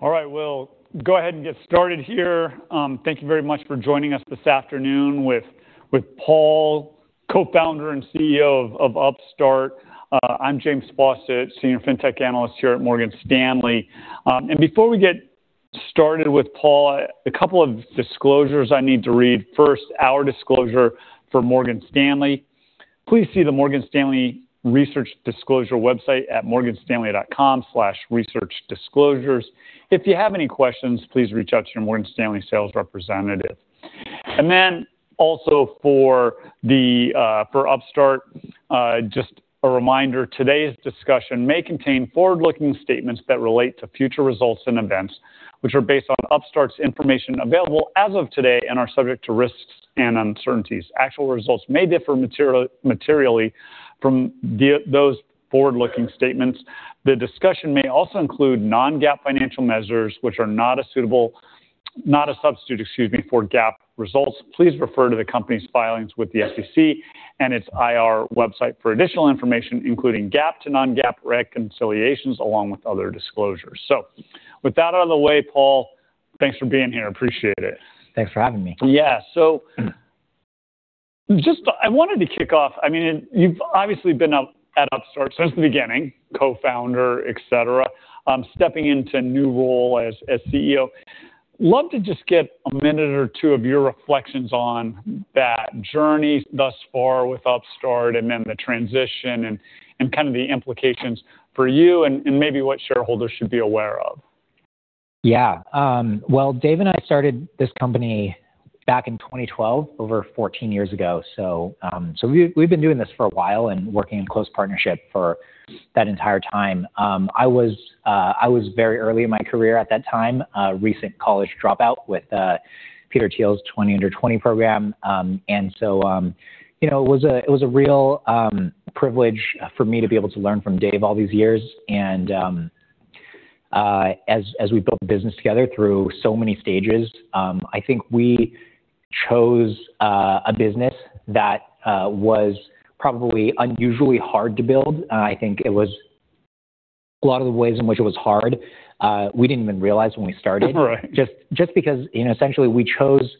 All right, we'll go ahead and get started here. Thank you very much for joining us this afternoon with Paul, Co-founder and CEO of Upstart. I'm James Faucette, Senior Fintech Analyst here at Morgan Stanley. Before we get started with Paul, a couple of disclosures I need to read. First, our disclosure for Morgan Stanley. Please see the morganstanley.com/researchdisclosures website. If you have any questions, please reach out to your Morgan Stanley sales representative. Also for Upstart, just a reminder, today's discussion may contain forward-looking statements that relate to future results and events, which are based on Upstart's information available as of today and are subject to risks and uncertainties. Actual results may differ materially from those forward-looking statements. The discussion may also include non-GAAP financial measures, which are not a substitute for GAAP results. Please refer to the company's filings with the SEC and its IR website for additional information, including GAAP to non-GAAP reconciliations along with other disclosures. With that out of the way, Paul, thanks for being here. Appreciate it. Thanks for having me. Yeah. I wanted to kick off. You've obviously been at Upstart since the beginning, co-founder, et cetera, stepping into a new role as CEO. Love to just get a minute or two of your reflections on that journey thus far with Upstart and then the transition and kind of the implications for you and maybe what shareholders should be aware of. Well, Dave and I started this company back in 2012, over 14 years ago. We've been doing this for a while and working in close partnership for that entire time. I was very early in my career at that time, a recent college dropout with Peter Thiel's 20 Under 20 program. It was a real privilege for me to be able to learn from Dave all these years. As we built the business together through so many stages, I think we chose a business that was probably unusually hard to build. I think a lot of the ways in which it was hard we didn't even realize when we started. Right. Essentially we chose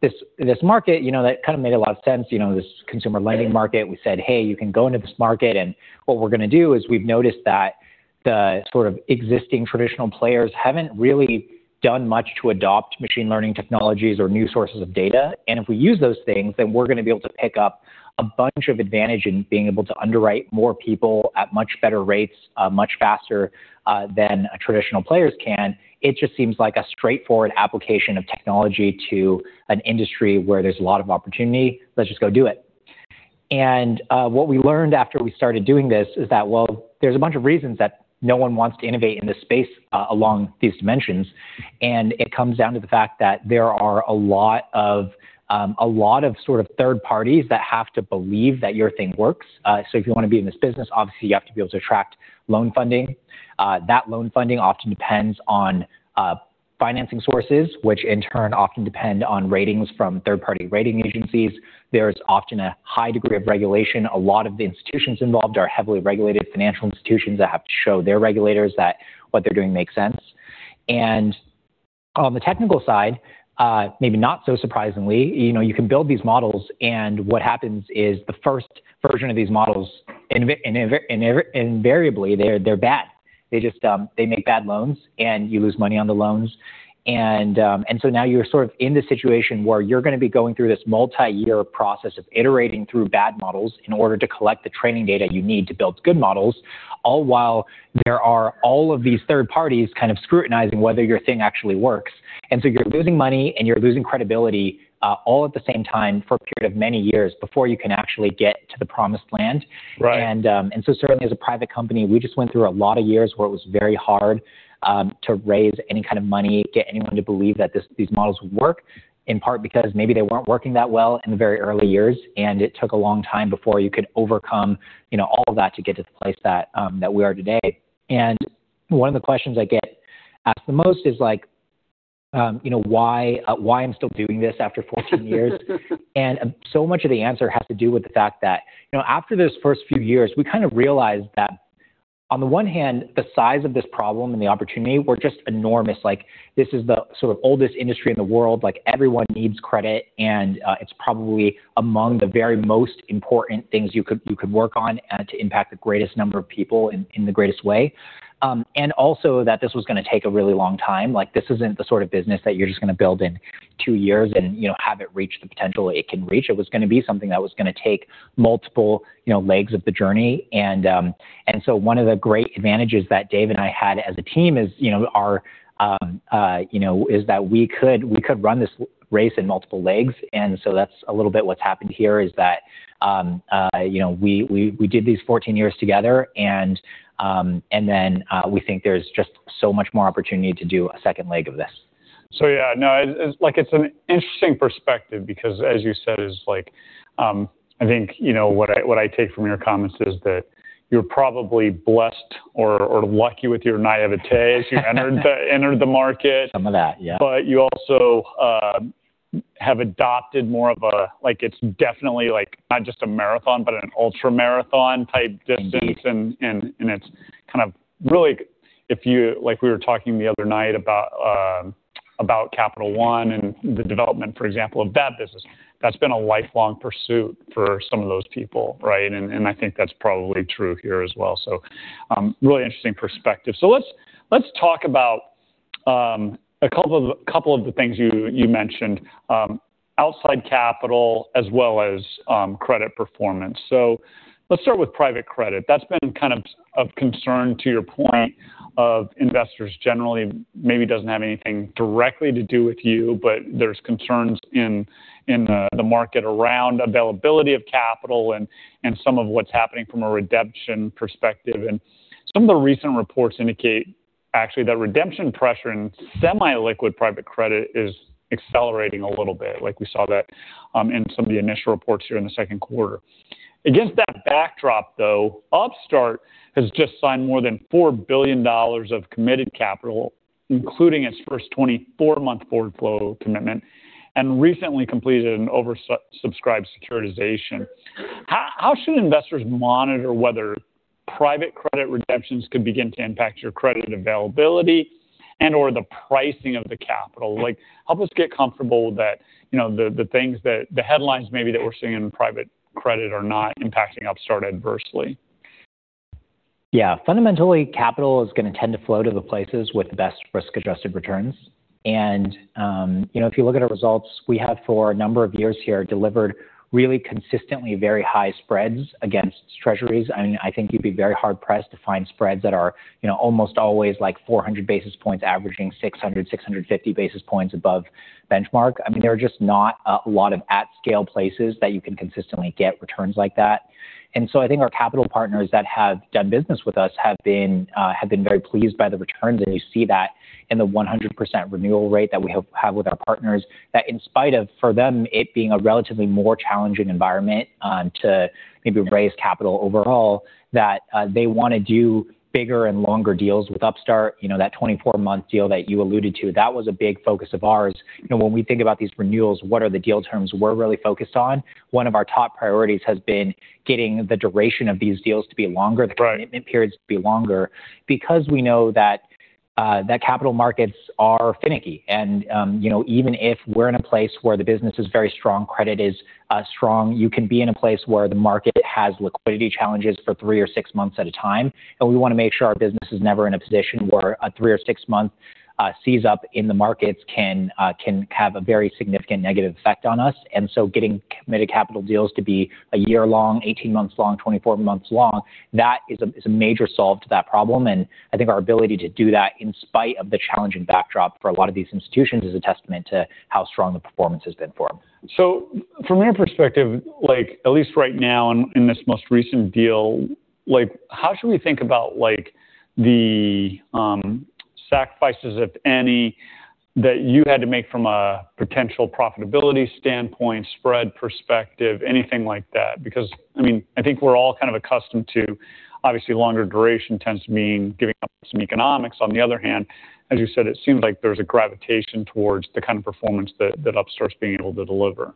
this market that kind of made a lot of sense, this consumer lending market. We said, "Hey, you can go into this market, and what we're going to do is we've noticed that the sort of existing traditional players haven't really done much to adopt machine learning technologies or new sources of data. If we use those things, then we're going to be able to pick up a bunch of advantage in being able to underwrite more people at much better rates, much faster than traditional players can. It just seems like a straightforward application of technology to an industry where there's a lot of opportunity. Let's just go do it." What we learned after we started doing this is that, well, there's a bunch of reasons that no one wants to innovate in this space along these dimensions. It comes down to the fact that there are a lot of sort of third parties that have to believe that your thing works. If you want to be in this business, obviously you have to be able to attract loan funding. That loan funding often depends on financing sources, which in turn often depend on ratings from third-party rating agencies. There's often a high degree of regulation. A lot of the institutions involved are heavily regulated financial institutions that have to show their regulators that what they're doing makes sense. On the technical side, maybe not so surprisingly, you can build these models and what happens is the first version of these models, invariably they're bad. They make bad loans, and you lose money on the loans. Now you're sort of in this situation where you're going to be going through this multi-year process of iterating through bad models in order to collect the training data you need to build good models, all while there are all of these third parties kind of scrutinizing whether your thing actually works. You're losing money and you're losing credibility all at the same time for a period of many years before you can actually get to the promised land. Right. Certainly as a private company, we just went through a lot of years where it was very hard to raise any kind of money, get anyone to believe that these models work, in part because maybe they weren't working that well in the very early years, and it took a long time before you could overcome all of that to get to the place that we are today. One of the questions I get asked the most is why I'm still doing this after 14 years. Much of the answer has to do with the fact that after those first few years, we kind of realized that on the one hand, the size of this problem and the opportunity were just enormous. This is the sort of oldest industry in the world. Everyone needs credit and it's probably among the very most important things you could work on to impact the greatest number of people in the greatest way. Also that this was going to take a really long time. This isn't the sort of business that you're just going to build in two years and have it reach the potential it can reach. It was going to be something that was going to take multiple legs of the journey. One of the great advantages that Dave and I had as a team is that we could run this race in multiple legs. That's a little bit what's happened here is that we did these 14 years together and then we think there's just so much more opportunity to do a second leg of this. Yeah, it's an interesting perspective because as you said, I think what I take from your comments is that you're probably blessed or lucky with your naïveté as you entered the market. Some of that, yeah. Have adopted more of a, it's definitely not just a marathon, but an ultramarathon type distance. It's kind of really, like we were talking the other night about Capital One and the development, for example, of that business. That's been a lifelong pursuit for some of those people, right? I think that's probably true here as well. Really interesting perspective. Let's talk about a couple of the things you mentioned. Outside capital as well as credit performance. Let's start with private credit. That's been kind of concern to your point of investors generally maybe doesn't have anything directly to do with you, but there's concerns in the market around availability of capital and some of what's happening from a redemption perspective. Some of the recent reports indicate actually that redemption pressure in semi-liquid private credit is accelerating a little bit, like we saw that in some of the initial reports here in the second quarter. Against that backdrop, though, Upstart has just signed more than $4 billion of committed capital, including its first 24-month forward flow commitment, and recently completed an oversubscribed securitization. How should investors monitor whether private credit redemptions could begin to impact your credit availability and/or the pricing of the capital? Help us get comfortable that the headlines maybe that we're seeing in private credit are not impacting Upstart adversely. Yeah. Fundamentally, capital is going to tend to flow to the places with the best risk-adjusted returns. If you look at our results, we have for a number of years here delivered really consistently very high spreads against treasuries. I think you'd be very hard-pressed to find spreads that are almost always 400 basis points averaging 600, 650 basis points above benchmark. There are just not a lot of at-scale places that you can consistently get returns like that. I think our capital partners that have done business with us have been very pleased by the returns. You see that in the 100% renewal rate that we have with our partners that in spite of, for them, it being a relatively more challenging environment to maybe raise capital overall, that they want to do bigger and longer deals with Upstart. That 24-month deal that you alluded to, that was a big focus of ours. When we think about these renewals, what are the deal terms we're really focused on? One of our top priorities has been getting the duration of these deals to be longer. Right. The commitment periods to be longer because we know that capital markets are finicky. Even if we're in a place where the business is very strong, credit is strong, you can be in a place where the market has liquidity challenges for three or six months at a time. We want to make sure our business is never in a position where a three- or six-month seize-up in the markets can have a very significant negative effect on us. Getting committed capital deals to be a year long, 18 months long, 24 months long, that is a major solve to that problem. I think our ability to do that in spite of the challenging backdrop for a lot of these institutions is a testament to how strong the performance has been for them. From your perspective, at least right now in this most recent deal, how should we think about the sacrifices, if any, that you had to make from a potential profitability standpoint, spread perspective, anything like that? I think we're all kind of accustomed to obviously longer duration tends to mean giving up some economics. On the other hand, as you said, it seems like there's a gravitation towards the kind of performance that Upstart's being able to deliver.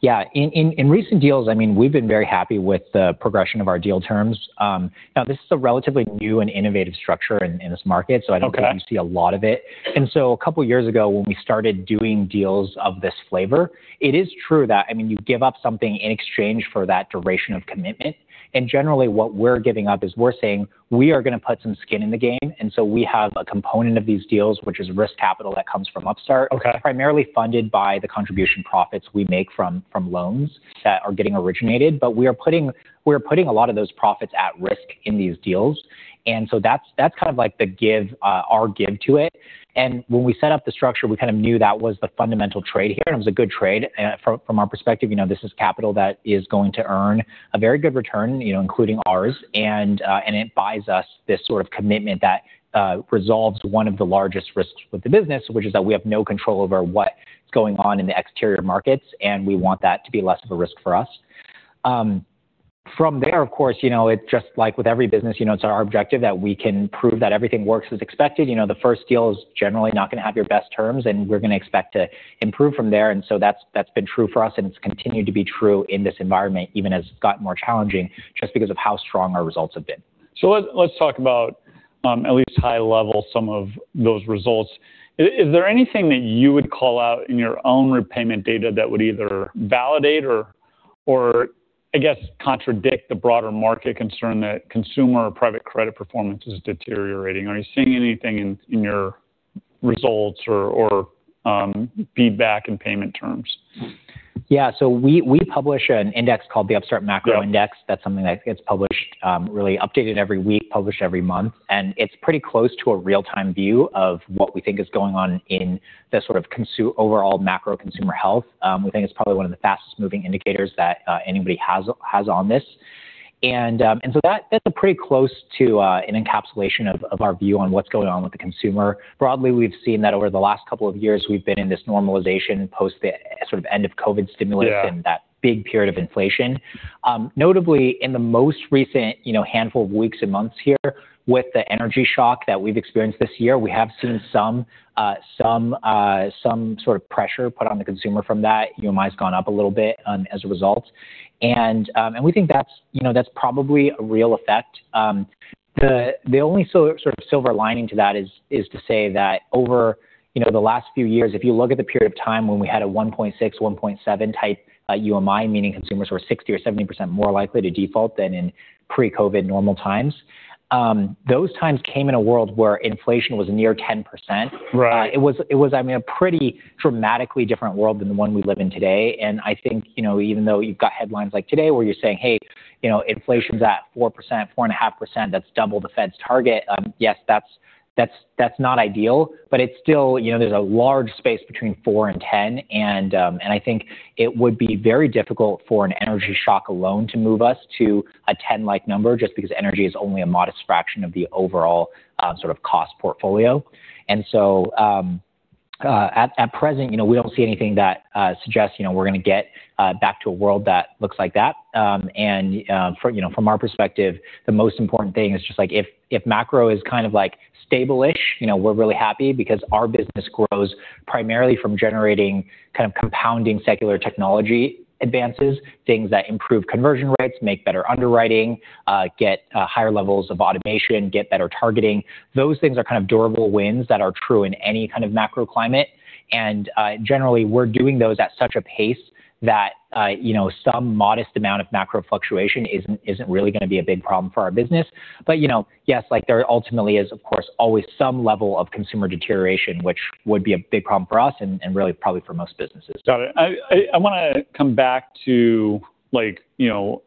Yeah. In recent deals, we've been very happy with the progression of our deal terms. Now this is a relatively new and innovative structure in this market. Okay. I don't think you see a lot of it. A couple of years ago when we started doing deals of this flavor, it is true that you give up something in exchange for that duration of commitment. Generally what we're giving up is we're saying we are going to put some skin in the game. We have a component of these deals, which is risk capital that comes from Upstart. Okay. Primarily funded by the contribution profits we make from loans that are getting originated. We are putting a lot of those profits at risk in these deals. That's kind of like our give to it. When we set up the structure, we kind of knew that was the fundamental trade here, and it was a good trade. From our perspective, this is capital that is going to earn a very good return, including ours. It buys us this sort of commitment that resolves one of the largest risks with the business, which is that we have no control over what is going on in the exterior markets, and we want that to be less of a risk for us. From there, of course, it's just like with every business, it's our objective that we can prove that everything works as expected. The first deal is generally not going to have your best terms, and we're going to expect to improve from there. That's been true for us, and it's continued to be true in this environment, even as it's gotten more challenging just because of how strong our results have been. Let's talk about, at least high level, some of those results. Is there anything that you would call out in your own repayment data that would either validate or, I guess, contradict the broader market concern that consumer or private credit performance is deteriorating? Are you seeing anything in your results or feedback in payment terms? Yeah. We publish an index called the Upstart Macro Index. Yeah. That's something that gets published, really updated every week, published every month, and it's pretty close to a real-time view of what we think is going on in the sort of overall macro consumer health. We think it's probably one of the fastest-moving indicators that anybody has on this. That's a pretty close to an encapsulation of our view on what's going on with the consumer. Broadly, we've seen that over the last couple of years, we've been in this normalization post the sort of end of COVID stimulus. Yeah That big period of inflation. Notably, in the most recent handful of weeks and months here with the energy shock that we've experienced this year, we have seen some sort of pressure put on the consumer from that. UMI's gone up a little bit as a result. We think that's probably a real effect. The only sort of silver lining to that is to say that over the last few years, if you look at the period of time when we had a 1.6, 1.7 type UMI, meaning consumers were 60% or 70% more likely to default than in pre-COVID normal times. Those times came in a world where inflation was near 10%. Right. It was a pretty dramatically different world than the one we live in today. I think, even though you've got headlines like today where you're saying, "Hey, inflation's at 4%, 4.5%, that's double the Fed's target." Yes, that's not ideal, but it's still there's a large space between four and 10, and I think it would be very difficult for an energy shock alone to move us to a 10-like number, just because energy is only a modest fraction of the overall sort of cost portfolio. At present, we don't see anything that suggests we're going to get back to a world that looks like that. From our perspective, the most important thing is just if macro is kind of stable-ish, we're really happy because our business grows primarily from generating kind of compounding secular technology advances, things that improve conversion rates, make better underwriting, get higher levels of automation, get better targeting. Those things are kind of durable wins that are true in any kind of macro climate. Generally, we're doing those at such a pace that some modest amount of macro fluctuation isn't really going to be a big problem for our business. Yes, there ultimately is, of course, always some level of consumer deterioration, which would be a big problem for us and really probably for most businesses. Got it. I want to come back to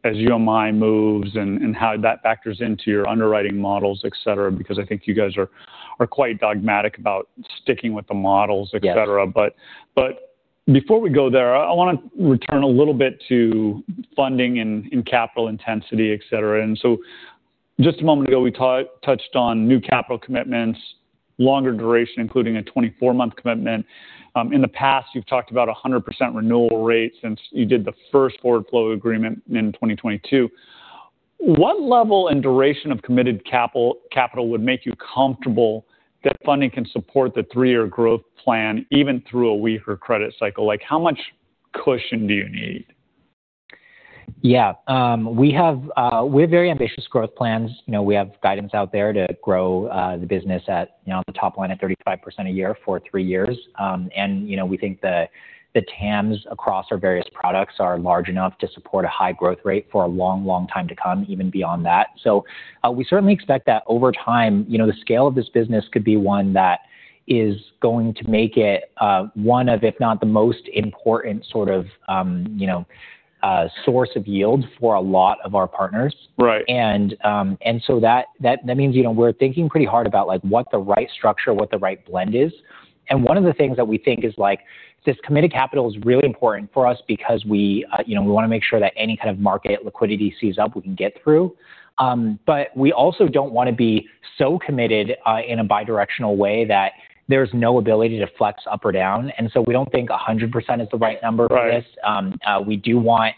as UMI moves and how that factors into your underwriting models, et cetera, because I think you guys are quite dogmatic about sticking with the models, et cetera. Yes. Before we go there, I want to return a little bit to funding and capital intensity, et cetera. Just a moment ago, we touched on new capital commitments, longer duration, including a 24-month commitment. In the past, you've talked about 100% renewal rate since you did the first forward flow agreement in 2022. What level and duration of committed capital would make you comfortable that funding can support the three-year growth plan, even through a weaker credit cycle? How much cushion do you need? Yeah. We have very ambitious growth plans. We have guidance out there to grow the business at the top line at 35% a year for three years. We think the TAMs across our various products are large enough to support a high growth rate for a long, long time to come, even beyond that. We certainly expect that over time, the scale of this business could be one that is going to make it one of, if not the most important sort of source of yield for a lot of our partners. Right. That means we're thinking pretty hard about what the right structure, what the right blend is. One of the things that we think is this committed capital is really important for us because we want to make sure that any kind of market liquidity seize up we can get through. We also don't want to be so committed in a bi-directional way that there's no ability to flex up or down. We don't think 100% is the right number for this. Right.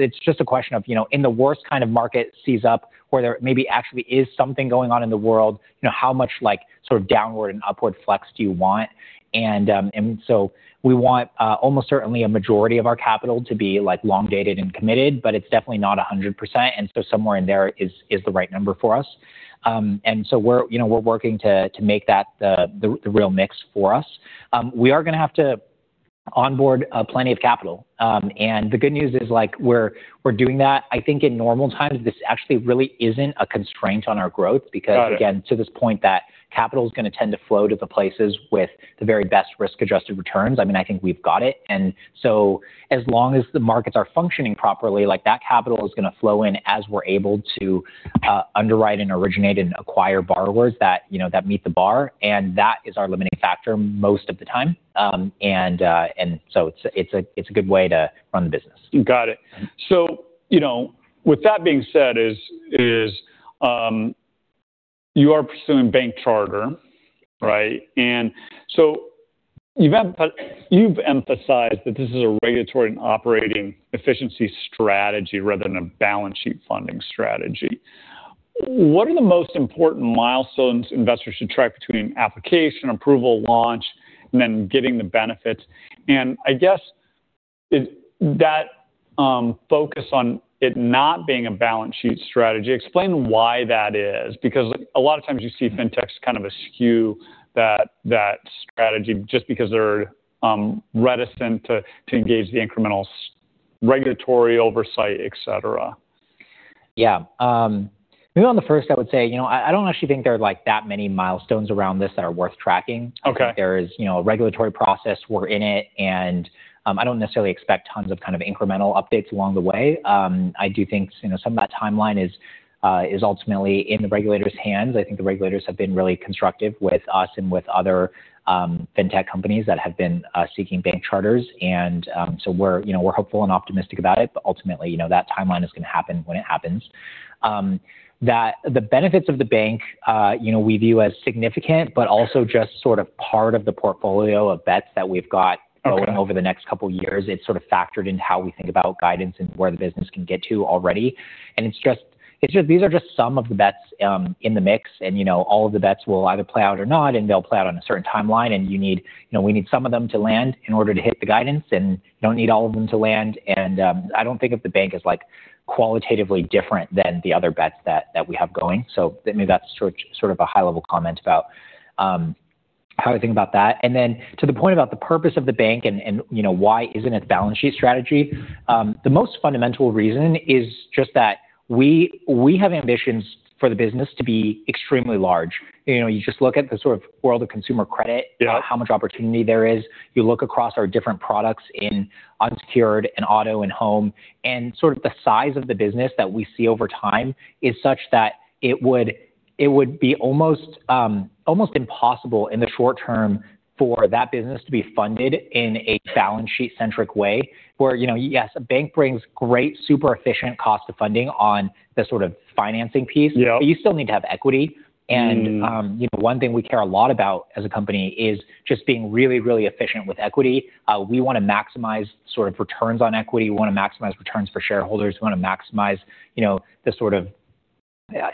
It's just a question of in the worst kind of market seize up where there maybe actually is something going on in the world, how much sort of downward and upward flex do you want? We want almost certainly a majority of our capital to be long-dated and committed, but it's definitely not 100%. Somewhere in there is the right number for us. We're working to make that the real mix for us. We are going to have to onboard plenty of capital. The good news is we're doing that. I think in normal times, this actually really isn't a constraint on our growth because again, to this point that capital's going to tend to flow to the places with the very best risk-adjusted returns. I think we've got it. As long as the markets are functioning properly, that capital is going to flow in as we're able to underwrite and originate and acquire borrowers that meet the bar, and that is our limiting factor most of the time. It's a good way to run the business. Got it. With that being said is you are pursuing bank charter, right? You've emphasized that this is a regulatory and operating efficiency strategy rather than a balance sheet funding strategy. What are the most important milestones investors should track between application approval, launch, and then getting the benefits? I guess that focus on it not being a balance sheet strategy, explain why that is because a lot of times you see fintechs kind of askew that strategy just because they're reticent to engage the incremental regulatory oversight, et cetera. Yeah. Maybe on the first I would say, I don't actually think there are that many milestones around this that are worth tracking. Okay. There is a regulatory process. We're in it. I don't necessarily expect tons of incremental updates along the way. I do think some of that timeline is ultimately in the regulators' hands. I think the regulators have been really constructive with us and with other fintech companies that have been seeking bank charters. We're hopeful and optimistic about it. Ultimately, that timeline is going to happen when it happens. The benefits of the bank we view as significant but also just sort of part of the portfolio of bets that we've got going. Okay over the next couple of years. It's sort of factored into how we think about guidance and where the business can get to already. These are just some of the bets in the mix, and all of the bets will either play out or not, and they'll play out on a certain timeline. We need some of them to land in order to hit the guidance and don't need all of them to land. I don't think of the bank as qualitatively different than the other bets that we have going. Maybe that's sort of a high-level comment about how I think about that. To the point about the purpose of the bank and why isn't it balance sheet strategy, the most fundamental reason is just that we have ambitions for the business to be extremely large. You just look at the world of consumer credit. How much opportunity there is. You look across our different products in unsecured and auto and home, the size of the business that we see over time is such that it would be almost impossible in the short term for that business to be funded in a balance sheet centric way, where, yes, a bank brings great super efficient cost of funding on the financing piece. Yeah. You still need to have equity. One thing we care a lot about as a company is just being really, really efficient with equity. We want to maximize returns on equity. We want to maximize returns for shareholders. We want to maximize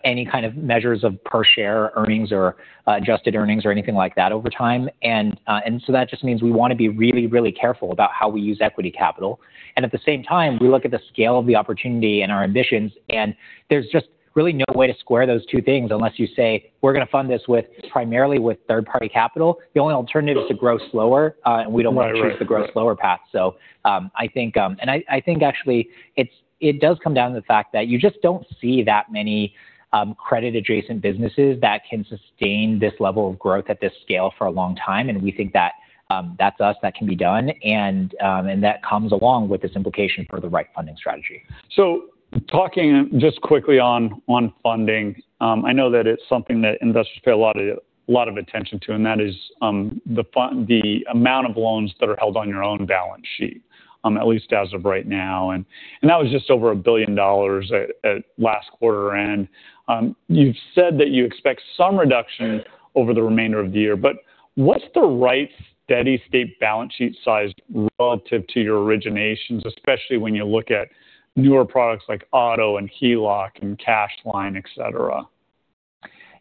any kind of measures of per share earnings or adjusted earnings or anything like that over time. So that just means we want to be really, really careful about how we use equity capital. At the same time, we look at the scale of the opportunity and our ambitions, there's just really no way to square those two things unless you say, "We're going to fund this primarily with third-party capital." The only alternative is to grow slower, we don't want to choose the grow slower path. I think actually it does come down to the fact that you just don't see that many credit adjacent businesses that can sustain this level of growth at this scale for a long time. We think that that's us. That can be done. That comes along with this implication for the right funding strategy. Talking just quickly on funding. I know that it's something that investors pay a lot of attention to, and that is the amount of loans that are held on your own balance sheet, at least as of right now. That was just over $1 billion at last quarter-end. You've said that you expect some reduction over the remainder of the year, what's the right steady state balance sheet size relative to your originations, especially when you look at newer products like Auto Purchase and HELOC and Cash Line, et cetera?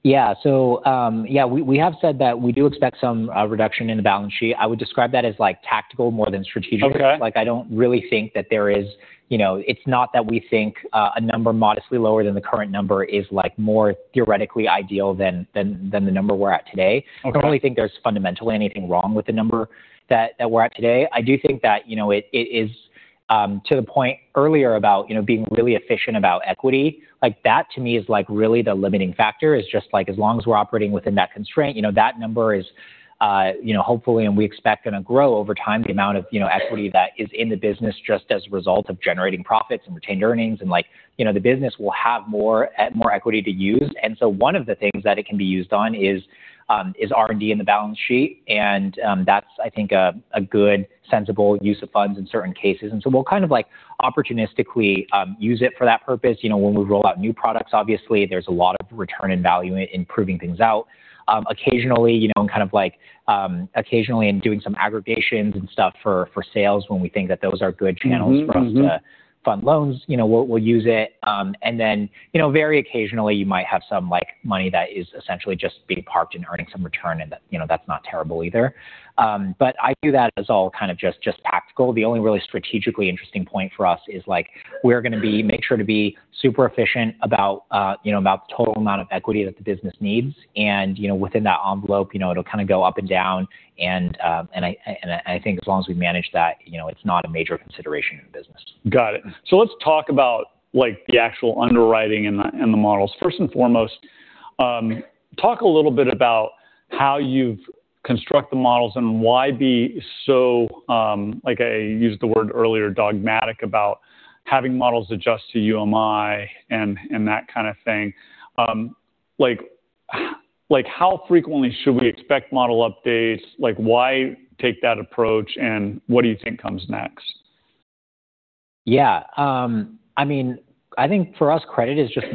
Yeah. We have said that we do expect some reduction in the balance sheet. I would describe that as tactical more than strategic. Okay. I don't really think that it's not that we think a number modestly lower than the current number is more theoretically ideal than the number we're at today. Okay. I don't really think there's fundamentally anything wrong with the number that we're at today. I do think that it is to the point earlier about being really efficient about equity. That to me is really the limiting factor is just as long as we're operating within that constraint, that number is hopefully and we expect going to grow over time, the amount of equity that is in the business just as a result of generating profits and retained earnings and the business will have more equity to use. One of the things that it can be used on is R&D in the balance sheet, and that's, I think, a good, sensible use of funds in certain cases. We'll opportunistically use it for that purpose. When we roll out new products, obviously there's a lot of return in value in proving things out. Occasionally doing some aggregations and stuff for sales when we think that those are good channels for us to fund loans, we'll use it. Then very occasionally you might have some money that is essentially just being parked and earning some return. That's not terrible either. I view that as all just practical. The only really strategically interesting point for us is we're going to make sure to be super efficient about the total amount of equity that the business needs, and within that envelope, it'll go up and down, and I think as long as we manage that, it's not a major consideration in the business. Got it. Let's talk about the actual underwriting and the models. First and foremost, talk a little bit about how you've construct the models and why be so, like I used the word earlier, dogmatic about having models adjust to UMI and that kind of thing. How frequently should we expect model updates? Why take that approach and what do you think comes next? Yeah. I think for us, credit is just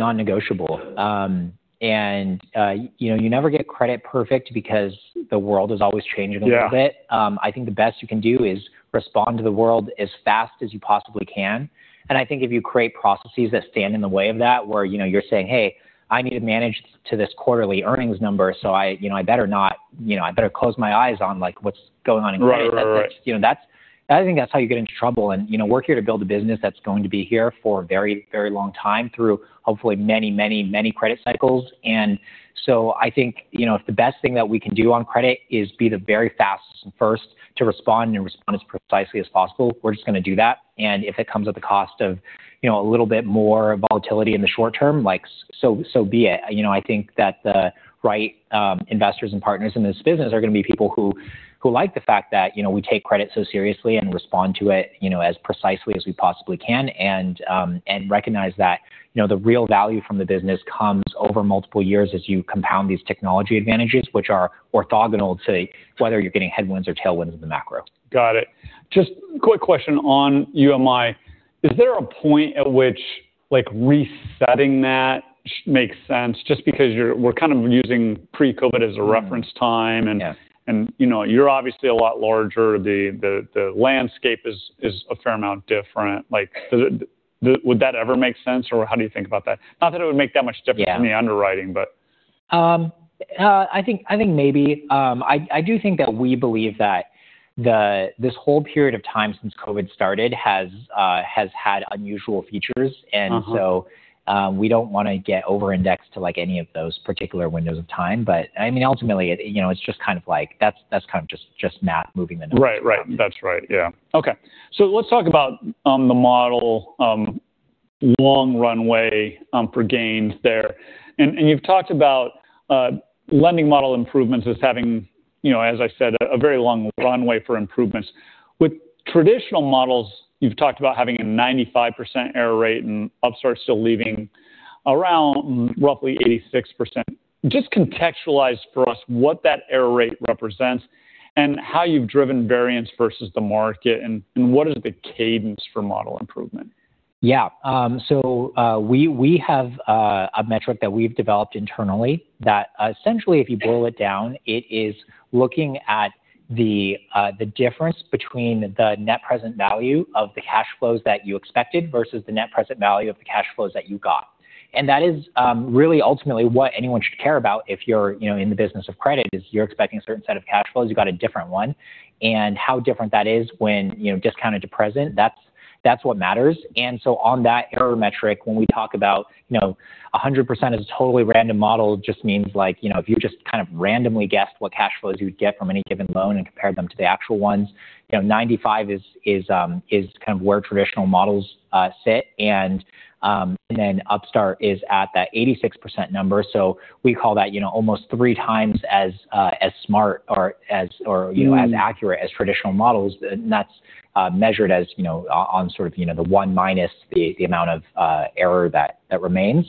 non-negotiable. You never get credit perfect because the world is always changing a little bit. Yeah. I think the best you can do is respond to the world as fast as you possibly can. I think if you create processes that stand in the way of that, where you're saying, "Hey, I need to manage to this quarterly earnings number, so I better close my eyes on what's going on in credit at this. Right. I think that's how you get into trouble. We're here to build a business that's going to be here for a very long time through hopefully many credit cycles. I think if the best thing that we can do on credit is be the very fastest and first to respond and respond as precisely as possible, we're just going to do that. If it comes at the cost of a little bit more volatility in the short term, so be it. I think that the right investors and partners in this business are going to be people who like the fact that we take credit so seriously and respond to it as precisely as we possibly can and recognize that the real value from the business comes over multiple years as you compound these technology advantages, which are orthogonal to whether you're getting headwinds or tailwinds in the macro. Got it. Just quick question on UMI. Is there a point at which resetting that makes sense, just because we're using pre-COVID as a reference time, you're obviously a lot larger. The landscape is a fair amount different. Would that ever make sense or how do you think about that? Not that it would make that much difference in the underwriting. I think maybe. I do think that we believe that this whole period of time since COVID started has had unusual features. We don't want to get over-indexed to any of those particular windows of time. Ultimately, that's kind of just Matt moving the numbers around. Right. That's right, yeah. Okay. Let's talk about the model long runway for gains there. You've talked about lending model improvements as having, as I said, a very long runway for improvements. With traditional models, you've talked about having a 95% error rate and Upstart still leaving around roughly 86%. Just contextualize for us what that error rate represents and how you've driven variance versus the market, and what is the cadence for model improvement? Yeah. We have a metric that we've developed internally that essentially if you boil it down, it is looking at the difference between the net present value of the cash flows that you expected versus the net present value of the cash flows that you got. That is really ultimately what anyone should care about if you're in the business of credit, is you're expecting a certain set of cash flows, you've got a different one. How different that is when discounted to present, that's what matters. On that error metric, when we talk about 100% is a totally random model, just means if you just randomly guessed what cash flows you would get from any given loan and compared them to the actual ones, 95 is where traditional models sit. Upstart is at that 86% number. We call that almost three times as smart or as accurate as traditional models. That's measured as on the one minus the amount of error that remains.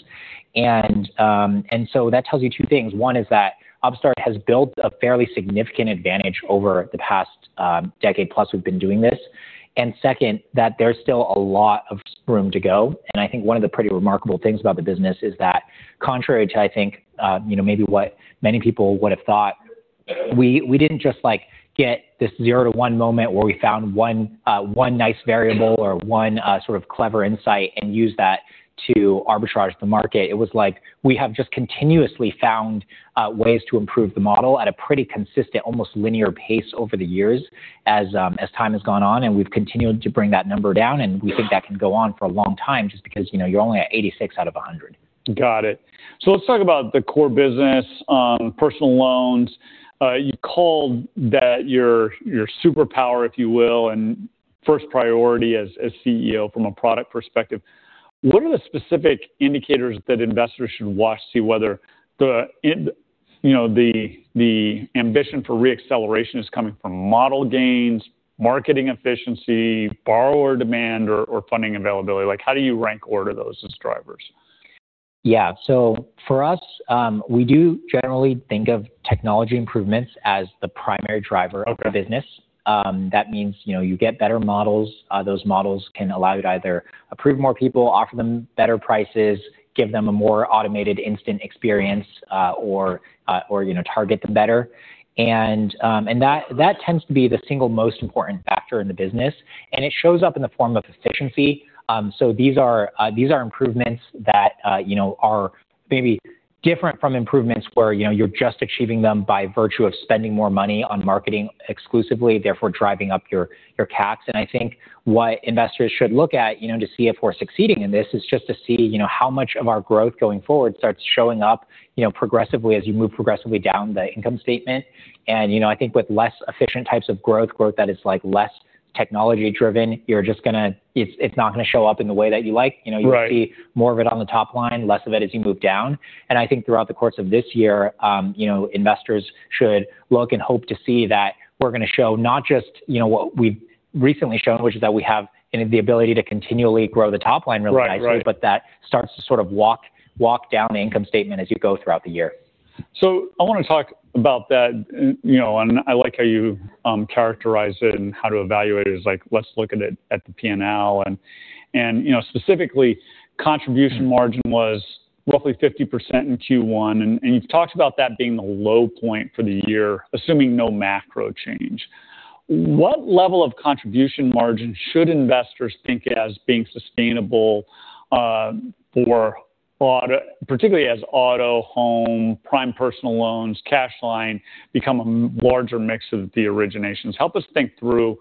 That tells you two things. One is that Upstart has built a fairly significant advantage over the past decade plus we've been doing this. Second, that there's still a lot of room to go. I think one of the pretty remarkable things about the business is that contrary to, I think maybe what many people would've thought, we didn't just get this zero to one moment where we found one nice variable or one clever insight and used that to arbitrage the market. It was we have just continuously found ways to improve the model at a pretty consistent, almost linear pace over the years as time has gone on, we've continued to bring that number down, we think that can go on for a long time, just because you're only at 86 out of 100. Got it. Let's talk about the core business, personal loans. You've called that your superpower, if you will, and first priority as CEO from a product perspective. What are the specific indicators that investors should watch to see whether the ambition for re-acceleration is coming from model gains, marketing efficiency, borrower demand, or funding availability? How do you rank order those as drivers? Yeah. For us, we do generally think of technology improvements as the primary driver of the business. Okay. That means you get better models. Those models can allow you to either approve more people, offer them better prices, give them a more automated instant experience, or target them better. That tends to be the single most important factor in the business, and it shows up in the form of efficiency. These are improvements that are maybe different from improvements where you're just achieving them by virtue of spending more money on marketing exclusively, therefore driving up your CACs. I think what investors should look at to see if we're succeeding in this is just to see how much of our growth going forward starts showing up progressively as you move progressively down the income statement. I think with less efficient types of growth that is less technology driven, it's not going to show up in the way that you like. Right. You'll see more of it on the top line, less of it as you move down. I think throughout the course of this year, investors should look and hope to see that we're going to show not just what we've recently shown, which is that we have the ability to continually grow the top line really nicely. Right. That starts to walk down the income statement as you go throughout the year. I want to talk about that, and I like how you characterize it and how to evaluate it as like, let's look at the P&L. Specifically, contribution margin was roughly 50% in Q1, and you've talked about that being the low point for the year, assuming no macro change. What level of contribution margin should investors think as being sustainable, particularly as auto, home, prime personal loans, Cash Line become a larger mix of the originations? Help us think through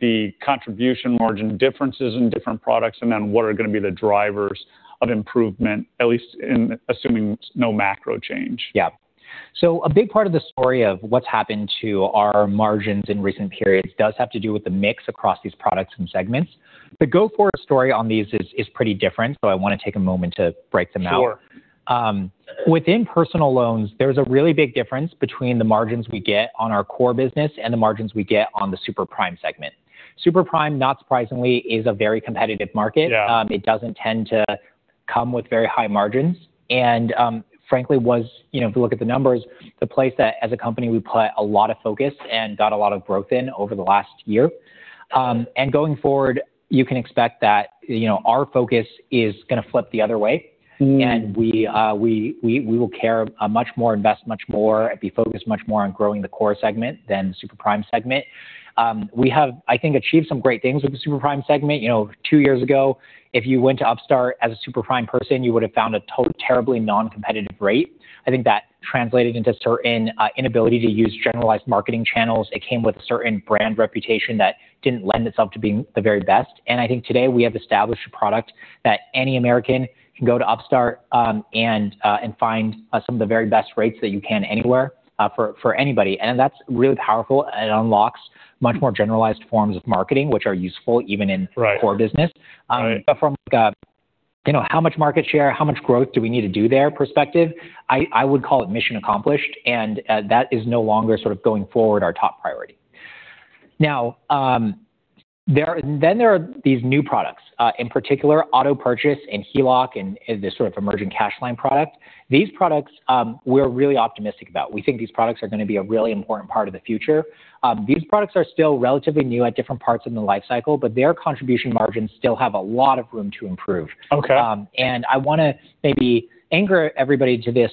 the contribution margin differences in different products, then what are going to be the drivers of improvement, at least assuming no macro change. Yeah. A big part of the story of what's happened to our margins in recent periods does have to do with the mix across these products and segments. The go-forward story on these is pretty different, I want to take a moment to break them out. Sure. Within personal loans, there's a really big difference between the margins we get on our core business and the margins we get on the super-prime segment. Super-prime, not surprisingly, is a very competitive market. Yeah. It doesn't tend to come with very high margins, frankly, if you look at the numbers, the place that as a company we put a lot of focus and got a lot of growth in over the last year. Going forward, you can expect that our focus is going to flip the other way. We will care much more, invest much more, and be focused much more on growing the core segment than the super-prime segment. We have, I think, achieved some great things with the super-prime segment. Two years ago, if you went to Upstart as a super-prime person, you would have found a terribly non-competitive rate. I think that translated into a certain inability to use generalized marketing channels. It came with a certain brand reputation that didn't lend itself to being the very best. I think today we have established a product that any American can go to Upstart and find some of the very best rates that you can anywhere, for anybody. That's really powerful. It unlocks much more generalized forms of marketing, which are useful even in core business. Right. From a how much market share, how much growth do we need to do there perspective, I would call it mission accomplished, and that is no longer going forward our top priority. There are these new products, in particular Auto Purchase and HELOC and this sort of emerging Cash Line product. These products we're really optimistic about. We think these products are going to be a really important part of the future. These products are still relatively new at different parts of the life cycle, but their contribution margins still have a lot of room to improve. Okay. I want to maybe anchor everybody to this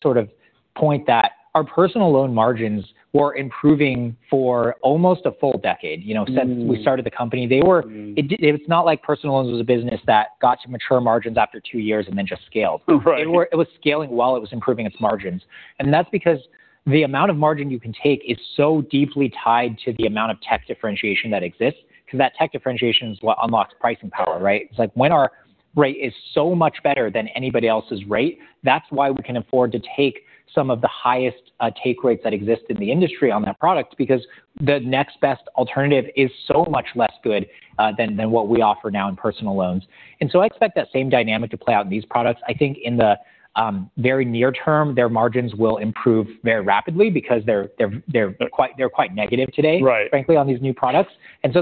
point that our personal loan margins were improving for almost a full decade. Since we started the company. It's not like personal loans was a business that got to mature margins after two years and then just scaled. Right. It was scaling while it was improving its margins. That's because the amount of margin you can take is so deeply tied to the amount of tech differentiation that exists, because that tech differentiation unlocks pricing power, right? It's like when our rate is so much better than anybody else's rate, that's why we can afford to take some of the highest take rates that exist in the industry on that product, because the next best alternative is so much less good than what we offer now in personal loans. I expect that same dynamic to play out in these products. I think in the very near term, their margins will improve very rapidly because they're quite negative today. Right Frankly, on these new products.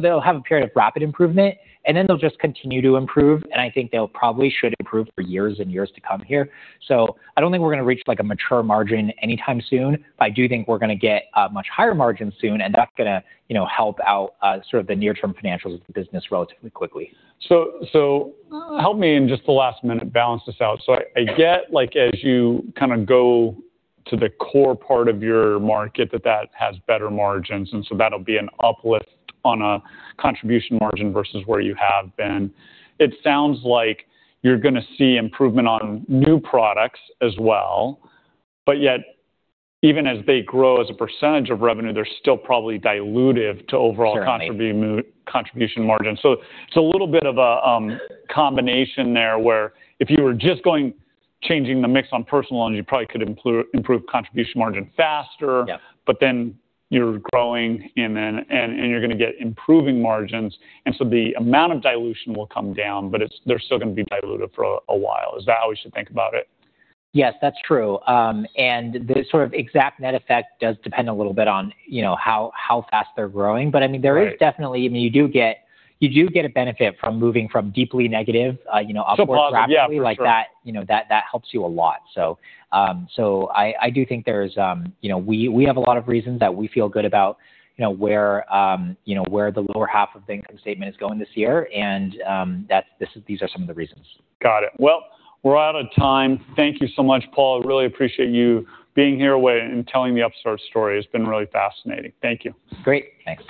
They'll have a period of rapid improvement, then they'll just continue to improve, I think they probably should improve for years and years to come here. I don't think we're going to reach a mature margin anytime soon. I do think we're going to get a much higher margin soon, and that's going to help out the near-term financials of the business relatively quickly. Help me in just the last minute balance this out. I get as you go to the core part of your market that that has better margins, that'll be an uplift on a contribution margin versus where you have been. It sounds like you're going to see improvement on new products as well. Even as they grow as a percentage of revenue, they're still probably dilutive to overall contribution margin. It's a little bit of a combination there, where if you were just changing the mix on personal loans, you probably could improve contribution margin faster. Yeah. You're growing, and you're going to get improving margins, the amount of dilution will come down, they're still going to be diluted for a while. Is that how we should think about it? Yes, that's true. The sort of exact net effect does depend a little bit on how fast they're growing. There is definitely. Right You do get a benefit from moving from deeply negative upwards rapidly. To positive, yeah, for sure. like that helps you a lot. I do think we have a lot of reasons that we feel good about where the lower half of the income statement is going this year and these are some of the reasons. Got it. Well, we're out of time. Thank you so much, Paul. I really appreciate you being here and telling the Upstart story. It's been really fascinating. Thank you. Great. Thanks.